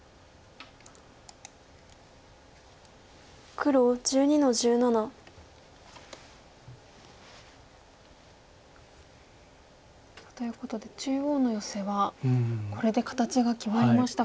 黒１２の十七。ということで中央のヨセはこれで形が決まりましたか。